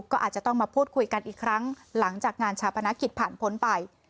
ก็อาจจะต้องมาพูดคุยกันอีกครั้งหลังจากงานชาปนกิจผ่านพ้นไป